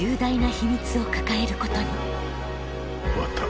終わった。